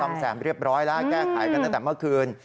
ซ่อมแซมเรียบร้อยแล้วแก้ไขกันตั้งแต่เมื่อคืน